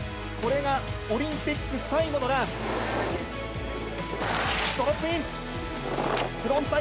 これがオリンピック最後のラン。